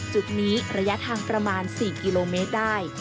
จุดนี้ระยะทางประมาณ๔กิโลเมตรได้